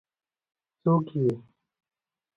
څوک يې ؟